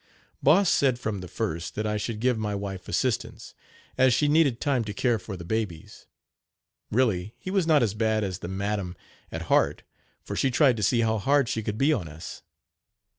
H4> Boss said from the first that I should give my wife assistance, as she needed time to care for the babies. Really he was not as bad as the madam at heart, for she tried to see how hard she could be on us.